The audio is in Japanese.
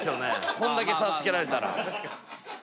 こんだけ差つけられたら。